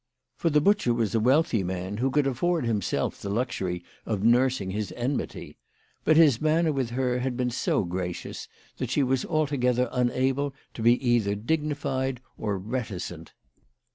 For the butcher was a wealthy man, who could afford himself the luxury of nursing his enmity. But his manner with her had been so gracious that she was aitogether unable to be either dignified or reticent.